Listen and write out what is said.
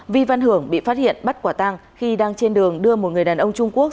vi văn hưởng bị phát hiện bắt quả tăng khi đang trên đường đưa một người đàn ông trung quốc